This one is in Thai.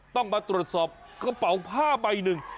ต้องมาตรวจสอบกระเป๋าผ้าใบหนึ่ง